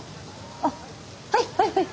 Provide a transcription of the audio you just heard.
あっはいはいはい。